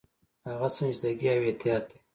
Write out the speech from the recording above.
هغه سنجیدګي او احتیاط دی.